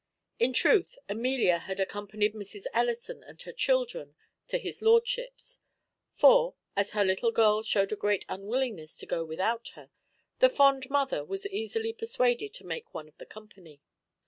In truth, Amelia had accompanied Mrs. Ellison and her children to his lordship's; for, as her little girl showed a great unwillingness to go without her, the fond mother was easily persuaded to make one of the company.